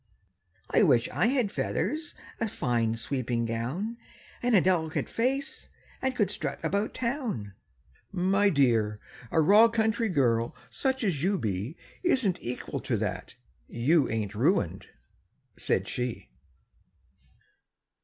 —"I wish I had feathers, a fine sweeping gown, And a delicate face, and could strut about Town!"— "My dear—a raw country girl, such as you be, Isn't equal to that. You ain't ruined," said she.